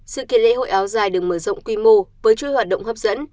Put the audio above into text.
sự kiện lễ hội áo dài được mở rộng quy mô với chuỗi hoạt động hấp dẫn